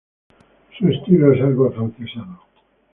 Su estilo es algo afrancesado.